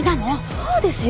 そうですよ！